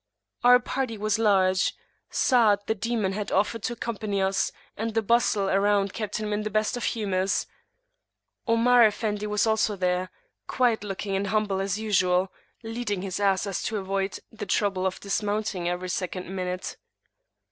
Our party was large. Sa'ad the Demon had offered to accompany us, and the bustle around kept him in the best of humours; Omar Effendi was also there, quiet looking and humble as usual, leading his ass to avoid the trouble of dismounting every second minute.